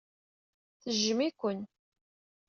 Tejjem-iken.